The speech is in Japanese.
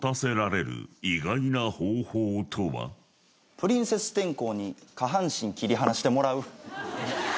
プリンセス天功に下半身切り離してもらう。